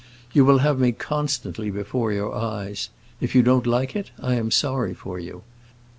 You will have me constantly before your eyes; if you don't like it, I am sorry for you.